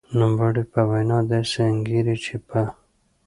نوموړې په وینا داسې انګېري چې په